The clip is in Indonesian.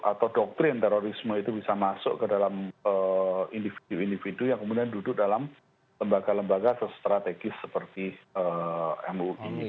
atau doktrin terorisme itu bisa masuk ke dalam individu individu yang kemudian duduk dalam lembaga lembaga atau strategis seperti mui